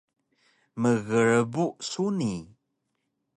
Mgrbu suni